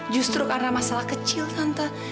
justru karena masalah kecil tante